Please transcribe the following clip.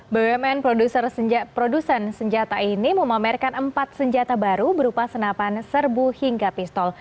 bumn produsen senjata ini memamerkan empat senjata baru berupa senapan serbu hingga pistol